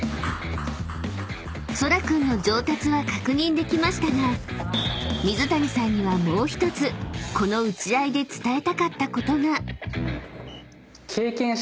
［そら君の上達は確認できましたが水谷さんにはもう１つこの打ち合いで伝えたかったことが］